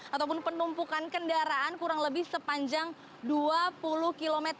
ataupun penumpukan kendaraan kurang lebih sepanjang dua puluh km